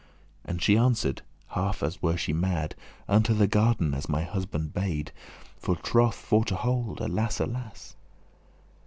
And she answered, half as she were mad, "Unto the garden, as my husband bade, My trothe for to hold, alas! alas!"